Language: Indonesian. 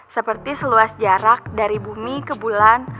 seperti seluas jarak dari bumi ke bulan